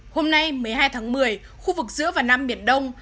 hôm nay một mươi hai tháng một mươi khu vực giữa và nam biển đông